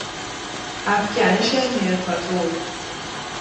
افکنش مرکاتور